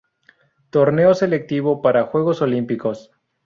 Torneo selectivo para Juegos Olímpicos.